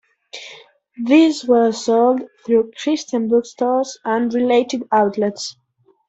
These were sold through Christian bookstores and related outlets.